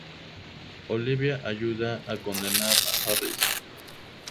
Olivia ayuda a condenar a Harris.